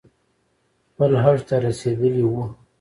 خپل اوج ته رسیدلي ؤ